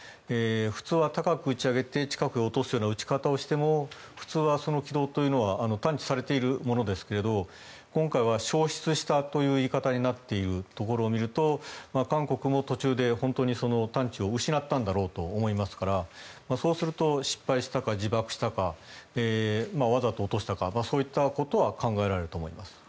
普通は高く打ち上げて近く落とすような打ち方をしても普通はその軌道というのは探知されているものですが今回は消失したという言い方になっているところを見ると韓国も途中で本当に探知を失ったんだろうと思いますからそうすると失敗したか、自爆したかわざと落としたかそういったことは考えられると思います。